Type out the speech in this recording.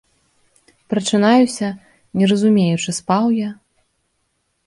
Прачынаюся, не разумеючы, спаў я?